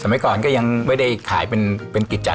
สมัยก่อนก็ยังไม่ได้ขายเป็นกิจจสนัก